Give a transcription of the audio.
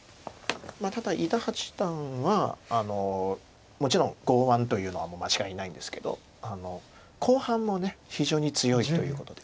ただ伊田八段はもちろん剛腕というのはもう間違いないんですけど後半も非常に強いということで。